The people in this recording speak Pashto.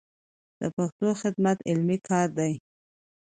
د پښتو خدمت علمي کار دی.